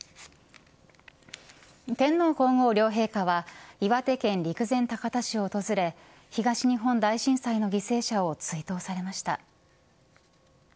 天皇皇后両陛下は岩手県陸前高田市を訪れ東日本大震災の犠牲者を追悼されました。